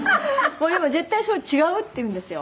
でも「絶対それ違う」って言うんですよ。